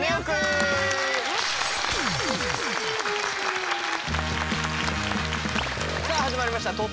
さあ始まりました